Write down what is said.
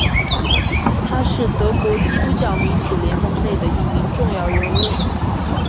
他是德国基督教民主联盟内的一名重要人物。